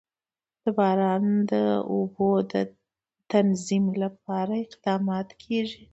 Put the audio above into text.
د باران د اوبو د تنظیم لپاره اقدامات کېږي.